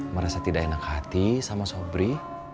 merasa tidak enak hati sama sobri